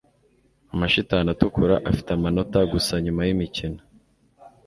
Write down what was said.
Amashitani atukura afite amanota gusa nyuma yimikino